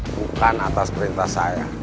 bukan atas perintah saya